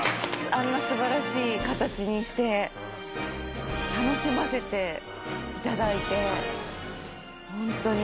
あんな素晴らしい形にして楽しませていただいてホントに。